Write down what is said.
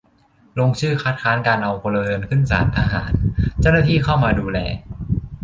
ลงชื่อคัดค้านการเอาพลเรือนขึ้นศาลทหาร เจ้าหน้าที่เข้ามาดูแล